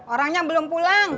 orangnya belum pulang